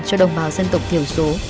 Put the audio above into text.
cho đồng bào dân tộc thiểu số